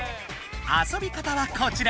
あそび方はこちら。